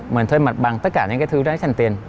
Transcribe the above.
mình thuê mặt bằng tất cả những cái thứ đó để sản tiền